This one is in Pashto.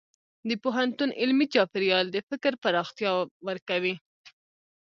د پوهنتون علمي چاپېریال د فکر پراختیا ورکوي.